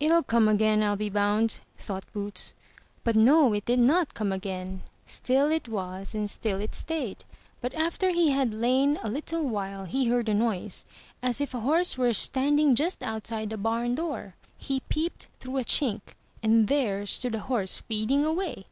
"It'll come again, FU be bound," thought Boots; but no, it did not come again; still it was and still it stayed; but after he had lain a little while he heard a noise as if a horse were stand ing just outside the barn door. He peeped through a chink, and there stood a horse feeding away.